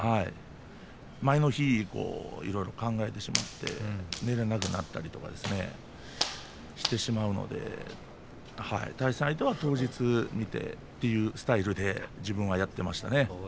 前の日、考えてしまって寝られなくなったりしてしまうので対戦相手は当日に見てというスタイルで自分はやっていましたね。